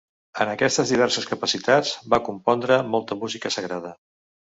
En aquestes diverses capacitats va compondre molta música sagrada.